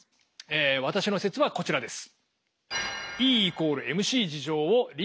え私の説はこちらです。